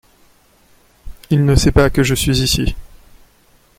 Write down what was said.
Il ne sait pas que je suis ici.